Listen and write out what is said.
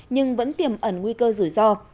nhưng vẫn tiềm ẩn nguy cơ rủi ro